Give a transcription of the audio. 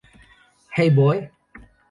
Hey Boy!